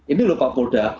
ini loh pak polda